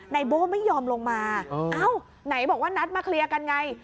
โบ้ไม่ยอมลงมาเอ้าไหนบอกว่านัดมาเคลียร์กันไง